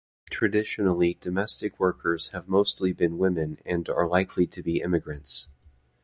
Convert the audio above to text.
Traditionally domestic workers have mostly been women and are likely to be immigrants.